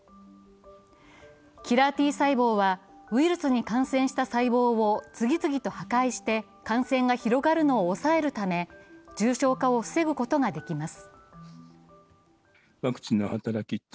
キラーＴ細胞はウイルスに感染した細胞を次々と破壊して感染が広がるのを抑えるため、重症化を防ぐことができます。